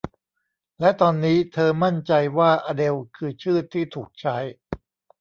และตอนนี้เธอมั่นใจว่าอเดลคือชื่อที่ถูกใช้